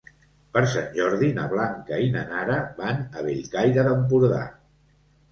Per Sant Jordi na Blanca i na Nara van a Bellcaire d'Empordà.